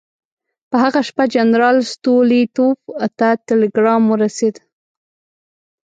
په هغه شپه جنرال ستولیتوف ته ټلګرام ورسېد.